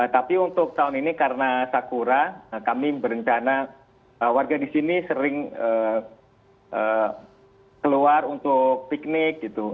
tapi untuk tahun ini karena sakura kami berencana warga di sini sering keluar untuk piknik gitu